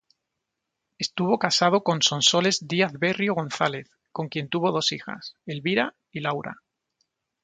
Estuvo casado con Sonsoles Díaz-Berrio González, con quien tuvo dos hijas: Elvira y Laura.